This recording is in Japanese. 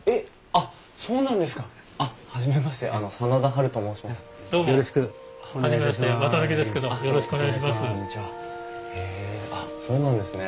あっそうなんですね。